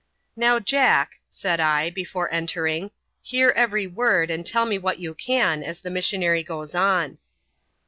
"Now, Jack," said I, before entering, "hear every word, and tell me what yon can, as the missionary goes on."